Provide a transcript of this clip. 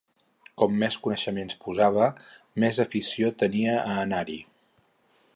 Com més coneixements posava, més afició tenia a anar-hi.